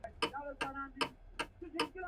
بدرنګه لباس د انسان شخصیت نه ښيي